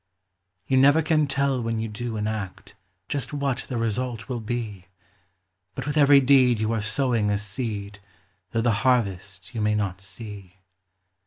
You never can tell when you do an act Just what the result will be; But with every deed you are sowing a seed, Though the harvest you may not see.